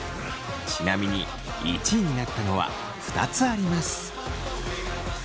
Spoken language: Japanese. ちなみに１位になったのは２つあります。